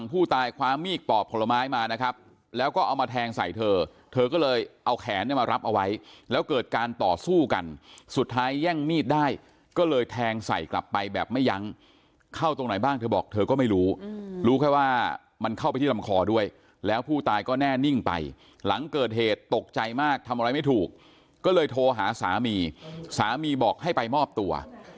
ผู้ตายคว้ามีดปอกผลไม้มานะครับแล้วก็เอามาแทงใส่เธอเธอก็เลยเอาแขนเนี่ยมารับเอาไว้แล้วเกิดการต่อสู้กันสุดท้ายแย่งมีดได้ก็เลยแทงใส่กลับไปแบบไม่ยั้งเข้าตรงไหนบ้างเธอบอกเธอก็ไม่รู้รู้รู้แค่ว่ามันเข้าไปที่ลำคอด้วยแล้วผู้ตายก็แน่นิ่งไปหลังเกิดเหตุตกใจมากทำอะไรไม่ถูกก็เลยโทรหาสามีสามีบอกให้ไปมอบตัว